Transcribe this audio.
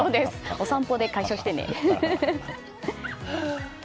お散歩で解消してね。